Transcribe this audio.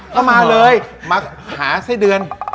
ก็มาเลยมาหาไส้เดือน